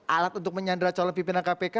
alat untuk menyandra calon pimpinan kpk